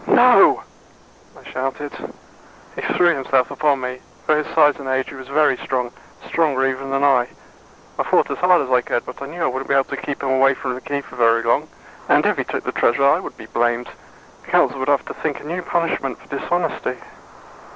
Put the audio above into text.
"No!" I shouted. He threw himself upon me. For his size and age, he was very strong stronger, even, than I. I fought as hard as I could, but I knew I wouldn't be able to keep him away from the Key for very long. And if he took the Treasure, I would be blamed. The council would have to think a new punishment for dishonesty.